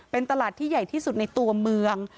เป็นตลาดที่ใหญ่ที่สุดในตัวเมือง